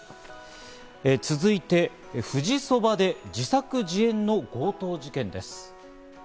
続いて、富士そばで自作自演の強盗事件です。